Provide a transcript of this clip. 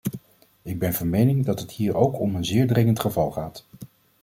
Ik ben van mening dat het hier ook om een zeer dringend geval gaat.